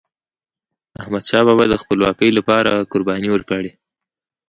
احمدشاه بابا د خپلواکی لپاره قرباني ورکړې.